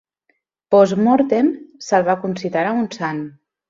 "Post mortem" se'l va considerar un sant.